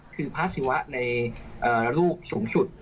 คือพระศิวะในลูกสูงสุด